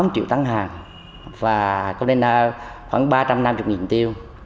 tám triệu tăng hàng và combiner khoảng ba trăm năm mươi tiêu